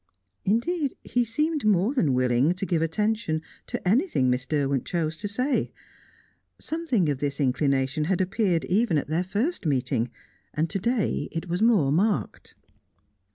Indeed, he seemed more than willing to give attention to anything Miss Derwent choose to say: something of this inclination had appeared even at their first meeting, and to day it was more marked.